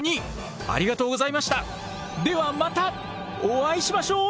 ではまたお会いしましょう！